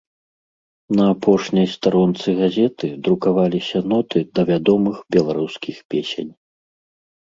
На апошняй старонцы газеты друкаваліся ноты да вядомых беларускіх песень.